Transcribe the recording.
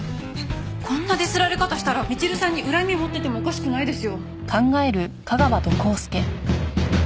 こんなディスられ方したらみちるさんに恨み持っててもおかしくないですよ。